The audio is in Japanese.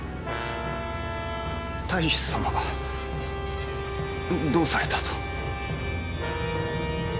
太守様がどうされたと？